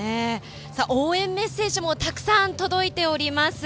応援メッセージもたくさん届いています。